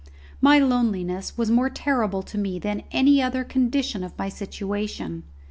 My loneliness was more terrible to me than any other condition of my situation.